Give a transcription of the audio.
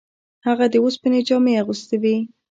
هغه د اوسپنې جامې اغوستې وې.